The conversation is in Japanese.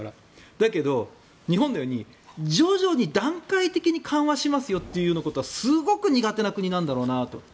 だけど、日本のように徐々に段階的に緩和しますよということはすごく苦手な国なんだろうなと。